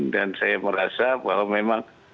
dan saya merasa bahwa memang